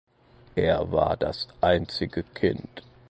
Er war das einzige Kind.